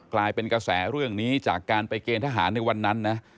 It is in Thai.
กลายเป็นกระแสเรื่องนี้จากการไปเกณฑหารในวันนั้นนะ